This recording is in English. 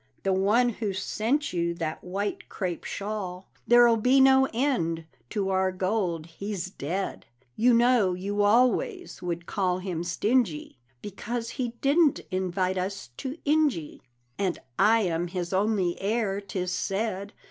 The one who sent you that white crape shawl There'll be no end to our gold he's dead; You know you always would call him stingy, Because he didn't invite us to Injy; And I am his only heir, 'tis said.